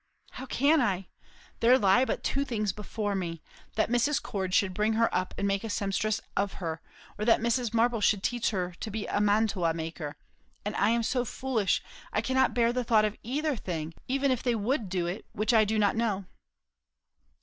"How can I? There lie but two things before me; that Mrs. Cord should bring her up and make a sempstress of her; or that Mrs. Marble should teach her to be a mantua maker; and I am so foolish, I cannot bear the thought of either thing; even if they would do it, which I do not know."